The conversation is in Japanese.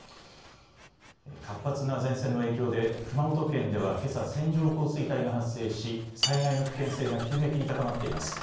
活発な前線の影響で熊本県ではけさ線状降水帯が発生し災害の危険性が急激に高まっています。